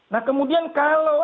nah kemudian kalau